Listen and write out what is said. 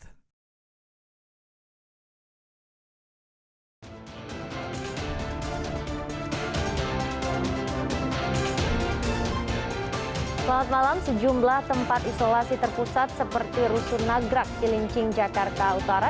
selamat malam sejumlah tempat isolasi terpusat seperti rusun nagrak cilincing jakarta utara